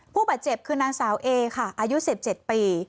ผู้บาดเจ็บคือนางสาวเอค่ะอายุ๑๗ปี